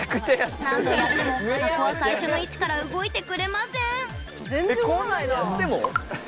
何度やっても、箱は最初の位置から動いてくれません。